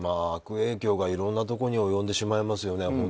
悪影響がいろんなところに及んでしまいますよね。